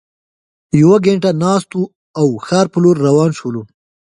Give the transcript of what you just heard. یوه ګینټه ناست وو او ښار په لور روان شولو.